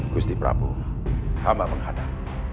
gusti prabu hamba menghadap